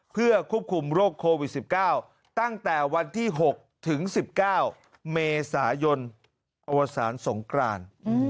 เพื่อควบคุมโรคโควิด๑๙ตั้งแต่วันที่๖ถึง๑๙เมษายนอวสารสงกราน